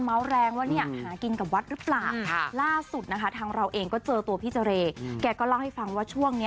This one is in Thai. ว่าแกเนี้ยอุ้ยพี่หากินกับวัดหรือเปล่าใช่